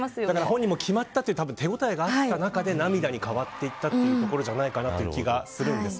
本人も決まったという手応えがあった中で涙に変わっていったというところじゃないかなという気がするんです。